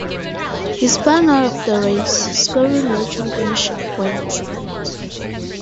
He spun out of the race, scoring no championship points.